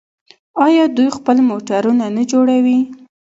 آیا دوی خپل موټرونه نه جوړوي؟